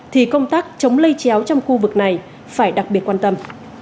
thì công tác chống lây chéo trong khu vực này phải đặc biệt quan tâm